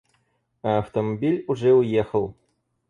А автомобиль уже уехал.